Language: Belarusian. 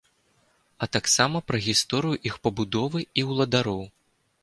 А таксама пра гісторыю іх пабудовы і уладароў.